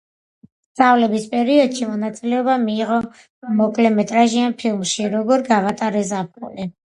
სწავლების პერიოდში მონაწილეობა მიიღო მოკლემეტრაჟიან ფილმში „როგორ გავატარე ზაფხული“.